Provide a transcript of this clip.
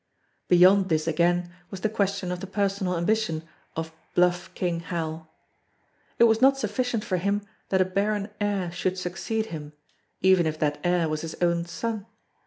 Beyond this again was the question of the personal ambition of "Bluff King Hal." It was not sufficient for him that a barren heir should succeed him even if that heir was his own son.